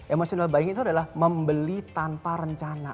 emotional buying itu adalah membeli tanpa rencana